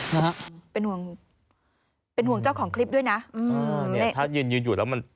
นะฮะเป็นห่วงเป็นห่วงเจ้าของคลิปด้วยนะอืมเนี้ยถ้ายืนยืนอยู่แล้วมัน